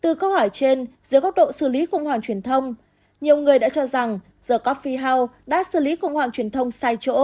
từ câu hỏi trên dưới góc độ xử lý khủng hoảng truyền thông nhiều người đã cho rằng the cophie house đã xử lý khủng hoảng truyền thông sai chỗ